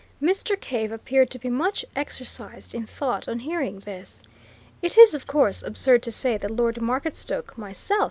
Mr. Cave appeared to be much exercised in thought on hearing this. "It is, of course, absurd to say that Lord Marketstoke myself!